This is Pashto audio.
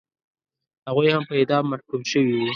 هغوی هم په اعدام محکوم شوي وو.